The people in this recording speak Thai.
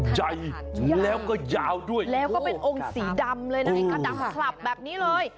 ใหญ่แล้วก็ยาวด้วยแล้วก็เป็นองค์สีดำเลยนะคะดำคลับแบบนี้เลย